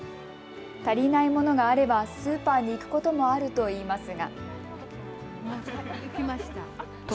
足りないものがあればスーパーに行くこともあるといいますが。